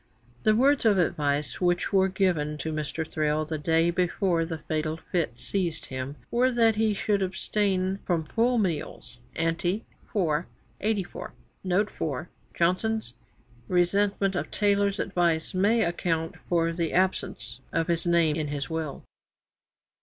'The words of advice' which were given to Mr. Thrale the day before the fatal fit seized him, were that he should abstain from full meals. Ante, iv. 84, note 4. Johnson's resentment of Taylor's advice may account for the absence of his name in his will.